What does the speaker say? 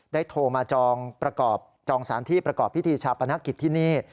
ได้โทรมาจองสารที่ประกอบพิธีชาปนาคิตที่นี่